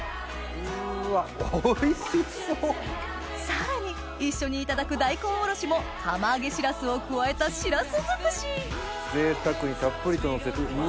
さらに一緒にいただく大根おろしも釜揚げしらすを加えたしらす尽くしぜいたくにたっぷりとのせてうっわ。